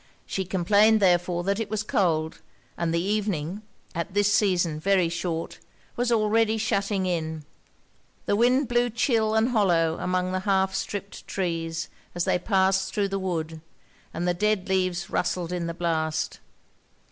She complained therefore that it was cold; and the evening (at this season very short) was already shutting in. The wind blew chill and hollow among the half stripped trees, as they passed thro' the wood; and the dead leaves rustled in the blast.